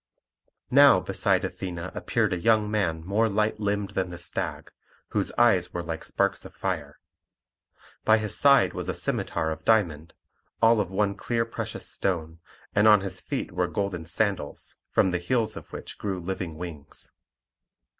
Now beside Athene appeared a young man more light limbed than the stag, whose eyes were like sparks of fire. By his side was a scimitar of diamond, all of one clear precious stone, and on his feet were golden sandals, from the heels of which grew living wings.